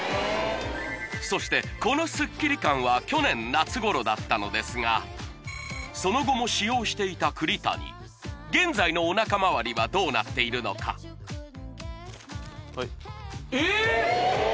そしてこのスッキリ感は去年夏頃だったのですがその後も使用していた栗谷現在のお腹周りはどうなっているのかえーっ！